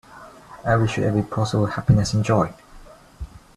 I wish you every possible happiness and joy.